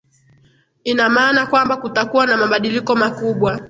ina maana kwamba kutakuwa na mabadiliko makubwa